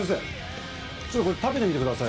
ちょっとこれ食べてみてください